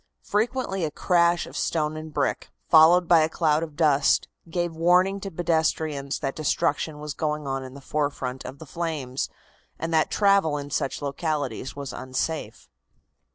Frequently a crash of stone and brick, followed by a cloud of dust, gave warning to pedestrians that destruction was going on in the forefront of the flames, and that travel in such localities was unsafe.